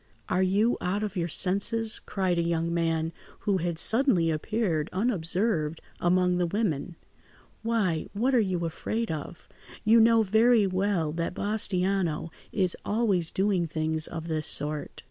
"Are you out of your senses?" cried a young man who had suddenly appeared, unobserved among the women. "Why, what are you afraid of? You know very well that Bastiano is always doing things of this sort.